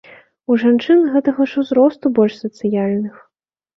У жанчын гэтага ж узросту больш сацыяльных.